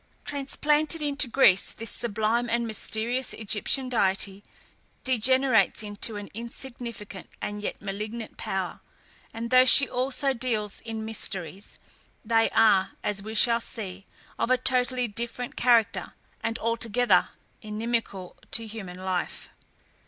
Transplanted into Greece, this sublime and mysterious Egyptian deity degenerates into an insignificant, and yet malignant power, and though she also deals in mysteries, they are, as we shall see, of a totally different character, and altogether inimical to human life.